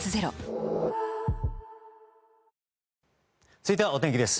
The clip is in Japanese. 続いてはお天気です。